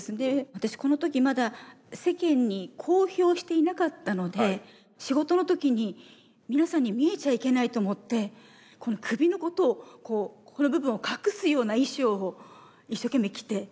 私この時まだ世間に公表していなかったので仕事の時に皆さんに見えちゃいけないと思ってこの首のことをこうここの部分を隠すような衣装を一生懸命着て。